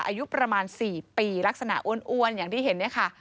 อายุประมาณ๔ปีลักษณะอ้วนอย่างที่เห็นเนี่ยค่ะ